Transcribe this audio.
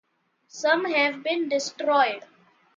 Some have been destroyed.